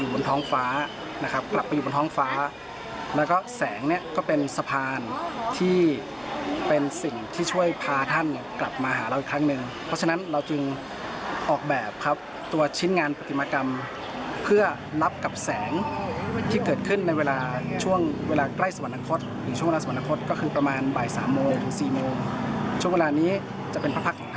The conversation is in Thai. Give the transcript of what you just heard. บนท้องฟ้านะครับกลับไปอยู่บนท้องฟ้าแล้วก็แสงเนี่ยก็เป็นสะพานที่เป็นสิ่งที่ช่วยพาท่านเนี่ยกลับมาหาเราอีกครั้งหนึ่งเพราะฉะนั้นเราจึงออกแบบครับตัวชิ้นงานปฏิมากรรมเพื่อรับกับแสงที่เกิดขึ้นในเวลาช่วงเวลาใกล้สวรรคตหรือช่วงเวลาสวรรคตก็คือประมาณบ่ายสามโมงถึง๔โมงช่วงเวลานี้จะเป็นพระพักษ